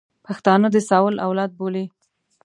پښتانه د ساول اولاد بولي.